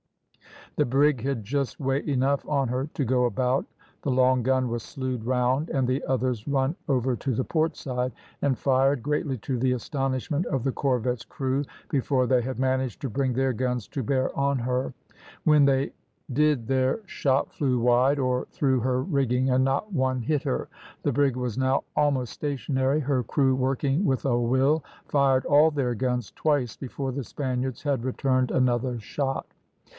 The brig had just way enough on her to go about. The long gun was slewed round, and the others run over to the port side, and fired, greatly to the astonishment of the corvette's crew, before they had managed to bring their guns to bear on her; when they did their shot flew wide or through her rigging, and not one hit her. The brig was now almost stationary, her crew working with a will, fired all their guns twice before the Spaniards had returned another shot.